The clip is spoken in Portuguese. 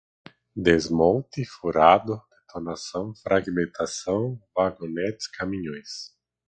desmonte, furado, detonação, fragmentação, vagonetas, caminhões